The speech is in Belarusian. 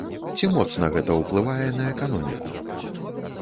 Ці моцна гэта ўплывае на эканоміку?